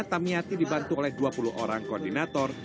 tamiyati dibantu oleh dua puluh orang koordinator